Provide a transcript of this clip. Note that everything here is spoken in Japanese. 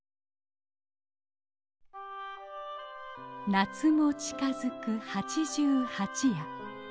夏も近づく八十八夜。